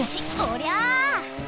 おりゃ！